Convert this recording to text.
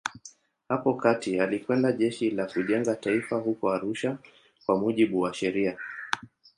Hapo kati alikwenda Jeshi la Kujenga Taifa huko Arusha kwa mujibu wa sheria.